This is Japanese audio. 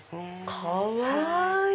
かわいい！